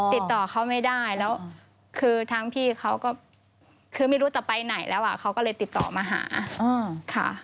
ติดต่อเขาไม่ได้แล้วคือทางพี่เขาก็คือไม่รู้จะไปไหนแล้วอ่ะเขาก็เลยติดต่อมาหาค่ะ